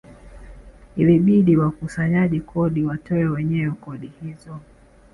Ilibidi wakusanyaji kodi watoe wenyewe kodi hizo